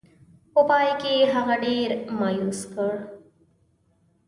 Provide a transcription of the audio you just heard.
په پای کې یې هغه ډېر مایوس کړ.